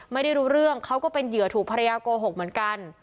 ไม่ได้รู้เรื่องเขาก็เป็นเหยื่อถูกภรรยาโกหกเหมือนกัน